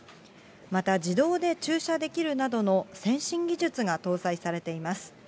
また自動で駐車できるなどの先進技術が搭載されています。